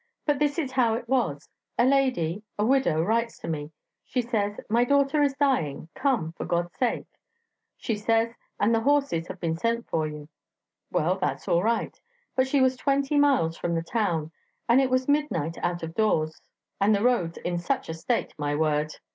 But this is how it was: a lady, a widow, writes to me; she says, 'My daughter is dying. Come, for God's sake!' she says, 'and the horses have been sent for you.'... Well, that's all right. But she was twenty miles from the town, and it was midnight out of doors, and the roads in such a state, my word!